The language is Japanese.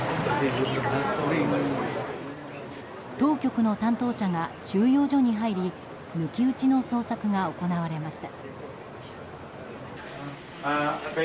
当局の担当者が収容所に入り抜き打ちの捜索が行われました。